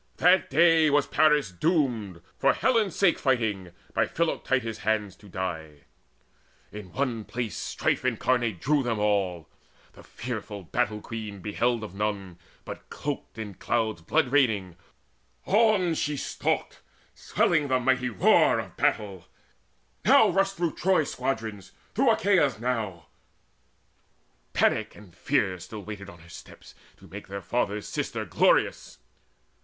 That day was Paris doomed, for Helen's sake Fighting, by Philoctetes' hands to die. To one place Strife incarnate drew them all, The fearful Battle queen, beheld of none, But cloaked in clouds blood raining: on she stalked Swelling the mighty roar of battle, now Rushed through Troy's squadrons, through Achaea's now; Panic and Fear still waited on her steps To make their father's sister glorious.